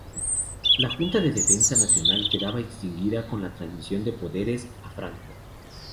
La Junta de Defensa Nacional quedaba extinguida con la transmisión de poderes a Franco.